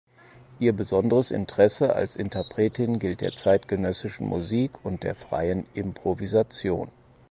Ihr besonderes Interesse als Interpretin gilt der zeitgenössischen Musik und der freien Improvisation.